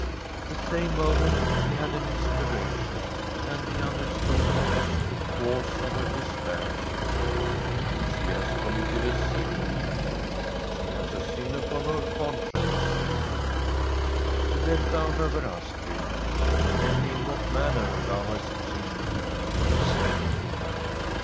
At the same moment he had an in spiration, and he understood what was the cause of her despair. ' She has committed a sin,* he thought. ' She has a sin upon her conscience.' He bent down over Astrid. ' Tell me in what manner thou hast sinned,' he said.